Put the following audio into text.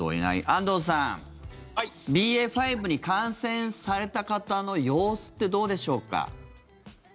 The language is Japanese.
安藤さん、ＢＡ．５に感染された方の様子ってどうでしょうか。